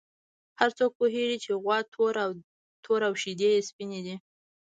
هر څوک پوهېږي چې غوا توره او شیدې یې سپینې دي.